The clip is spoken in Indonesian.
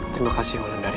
terima kasih wanda dari